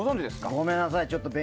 ごめんなさい